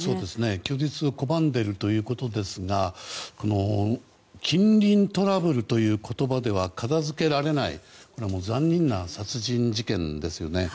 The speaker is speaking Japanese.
供述を拒んでいるということですが近隣トラブルという言葉では片づけられない残念な殺人事件ですよね。